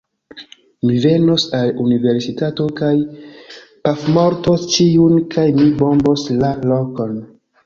Mi venos al universitato kaj pafmortos ĉiujn kaj mi bombos la lokon